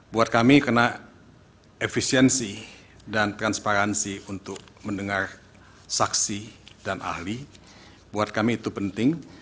buat kami karena efisiensi dan transparansi untuk mendengar saksi dan ahli buat kami itu penting